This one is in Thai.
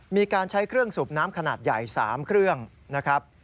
มีการใช้เครื่องสูบน้ำขนาดใหญ่๓เครื่องนะครับ